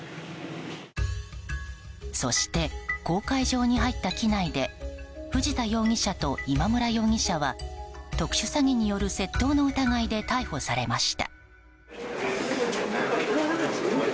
そして、公海上に入った機内で藤田容疑者と今村容疑者は特殊詐欺による窃盗の疑いで逮捕されました。